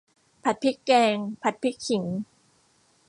ผัดพริกแกง ผัดพริกขิง